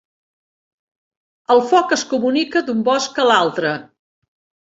El foc es comunica d'un bosc a l'altre.